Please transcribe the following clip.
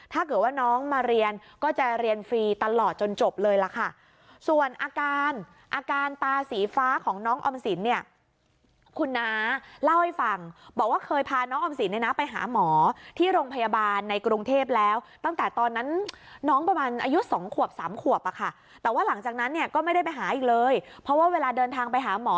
ถ้าเกิดว่าน้องมาเรียนก็จะเรียนฟรีตลอดจนจบเลยล่ะค่ะส่วนอาการอาการตาสีฟ้าของน้องออมสินเนี่ยคุณน้าเล่าให้ฟังบอกว่าเคยพาน้องออมสินเนี่ยนะไปหาหมอที่โรงพยาบาลในกรุงเทพแล้วตั้งแต่ตอนนั้นน้องประมาณอายุสองขวบสามขวบอะค่ะแต่ว่าหลังจากนั้นเนี่ยก็ไม่ได้ไปหาอีกเลยเพราะว่าเวลาเดินทางไปหาหมอ